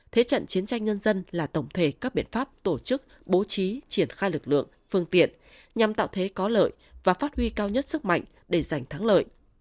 thế trận chiến tranh nhân dân là tổng thể các biện pháp tổ chức bố trí triển khai lực lượng phương tiện nhằm tạo thế có lợi và phát huy cao nhất sức mạnh để giành thắng lợi